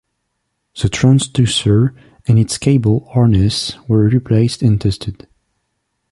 The transducer and its cable harness were replaced and tested.